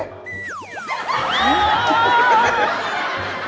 โอ้โห